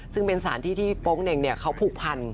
ซึ่งเป็นสารที่ที่โป๊งเหน่งเขาผูกพัน